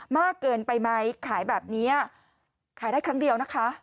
มากเกินไปไหมขายแบบนี้ขายได้ครั้งเดียวนะคะ